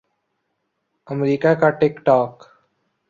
امریکا کا ٹک ٹاک